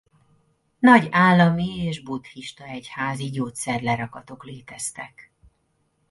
Nagy állami és buddhista egyházi gyógyszer-lerakatok léteztek.